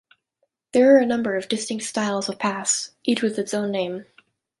There are a number of distinct styles of pass, each with its own name.